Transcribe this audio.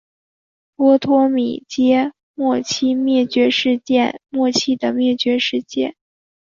波托米阶末期灭绝事件末期的灭绝事件。